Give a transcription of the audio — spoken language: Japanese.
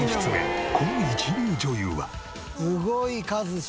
この一流女優は。